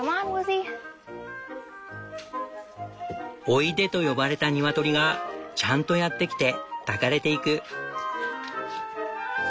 「おいで」と呼ばれたニワトリがちゃんとやって来て抱かれていく。